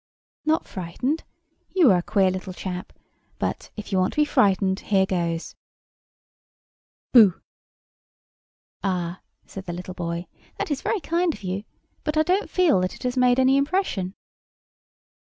"Not frightened? You are a queer little chap: but, if you want to be frightened, here goes—Boo!" "Ah," said the little boy, "that is very kind of you; but I don't feel that it has made any impression."